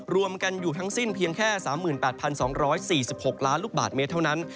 รวมกันอยู่ทั้งสิ้นเพียงแค่๓๘๒๔๖ล้านลูกบาทเมตรเท่านั้น